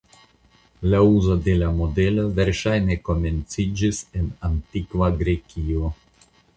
La uzo de la modelo verŝajne komenciĝis en antikva Grekio.